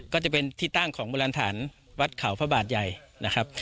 ก็จะเป็นที่ตั้งของโบราณฐานวัดเขาพระบาทใหญ่นะครับ